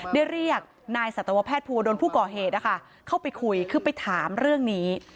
เรียกนายสัตวแพทย์ภูวดลผู้ก่อเหตุเข้าไปคุยคือไปถามเรื่องนี้